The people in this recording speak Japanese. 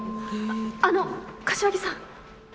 あの柏木さん。